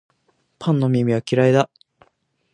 パンの耳は嫌いだ